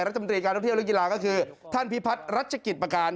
รัฐมนตรีการท่องเที่ยวและกีฬาก็คือท่านพิพัฒน์รัชกิจประการ